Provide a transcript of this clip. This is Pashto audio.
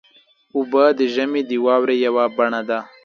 اوبه د ژمي د واورې یوه بڼه ده.